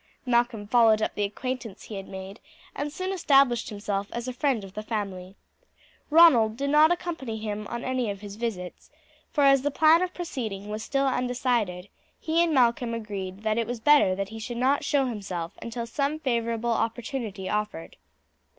Malcolm followed up the acquaintance he had made, and soon established himself as a friend of the family. Ronald did not accompany him on any of his visits, for as the plan of proceeding was still undecided, he and Malcolm agreed that it was better that he should not show himself until some favourable opportunity offered.